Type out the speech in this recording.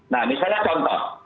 nah misalnya contoh